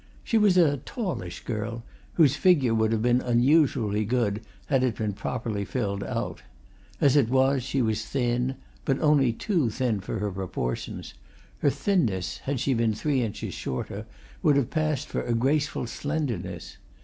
She was a tallish girl, whose figure would have been unusually good had it been properly filled out; as it was, she was thin, but only too thin for her proportions her thinness, had she been three inches shorter, would have passed for a graceful slenderness.